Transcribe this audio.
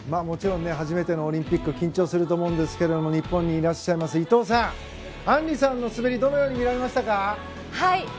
もちろん初めてのオリンピック緊張すると思いますが日本にいらっしゃいます伊藤さんあんりさんの滑りをどのように見られましたか？